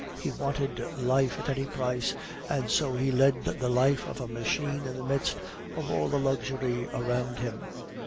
He wanted life at any price, and so he led the life of a machine in the midst of all the luxury around him.